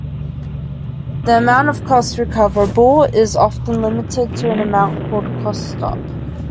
The amount of costs recoverable is often limited to an amount called "cost stop".